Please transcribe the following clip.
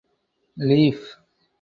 Leaf.